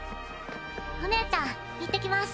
お姉ちゃん行ってきます。